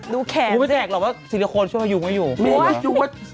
ดูแขนสิไม่อยากหลอกว่าซิริโคลช่วยว่ายุงไม่อยู่โอ๊ยไม่อยากหลอกว่า